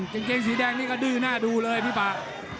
กางเกงสีแดงนี่ก็ดื้อหน้าดูเลยพี่ป่า